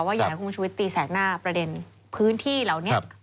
อยากให้คุณชุวิตตีแสกหน้าประเด็นพื้นที่เหล่านี้